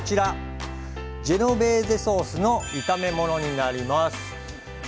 今日紹介するのはジェノベーゼソースの炒め物になります。